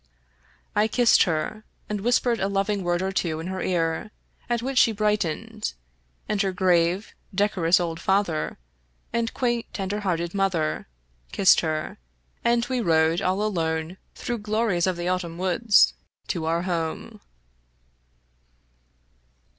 I kissed her, and whispered a loving word or two in her ear, at which she brightened ; and her grave, decorous old father, and quaint, tender hearted mother, kissed her, and we rode all alone through glories of the autumn woods to our home.